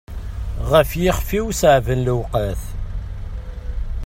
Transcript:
Ɣef yixef-iw ṣeεben lewqat.